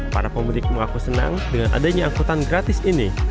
para pemudik mengaku senang dengan adanya angkutan gratis ini